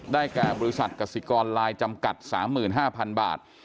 แก่บริษัทกสิกรไลน์จำกัด๓๕๐๐๐บาท